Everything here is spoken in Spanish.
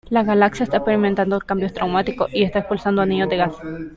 La galaxia está experimentando cambios traumáticos y está expulsando anillos de gas.